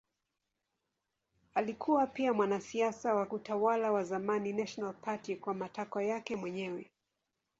Alikuwa pia mwanasiasa wa utawala wa zamani National Party kwa matakwa yake mwenyewe.